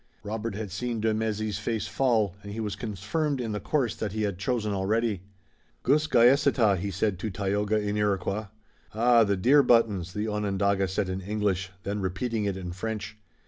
Robert had seen de Mézy's face fall, and he was confirmed in the course that he had chosen already. "Gusgaesata," he said to Tayoga in Iroquois. "Ah, the deer buttons!" the Onondaga said in English, then repeating it in French.